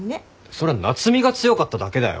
それは夏海が強かっただけだよ。